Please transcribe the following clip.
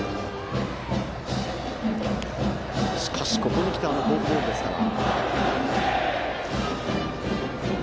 しかし、ここに来てあのフォークボールですから。